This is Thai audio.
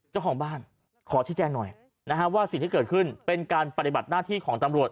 เจ้าของบ้านขอชิดแจ้งหน่อยนะฮะว่าสิ่งที่เกิดขึ้นเป็นการปฏิบัติหน้าที่ของตำรวจ